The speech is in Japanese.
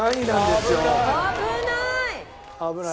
危ない！